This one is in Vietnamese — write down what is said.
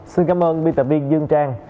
xin cảm ơn biên tập viên dương trang